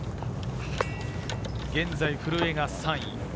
現在、古江が３位。